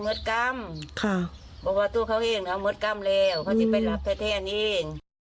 ปรากฏว่าหมอบอกเส้นเลือดใหญ่ในสมองแตกเฉียบพลัน